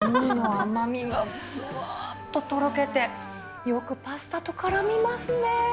ウニの甘みがふわっととろけて、よくパスタとからみますね。